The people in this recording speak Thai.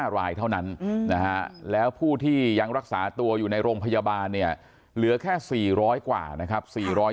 ๕รายเท่านั้นนะฮะแล้วผู้ที่ยังรักษาตัวอยู่ในโรงพยาบาลเนี่ยเหลือแค่๔๐๐กว่านะครับ